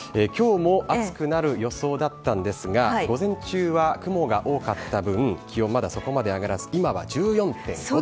きょうも暑くなる予想だったんですが、午前中は雲が多かった分、気温、まだそこまで上がらず、今は１４．５度。